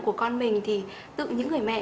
của con mình thì tự những người mẹ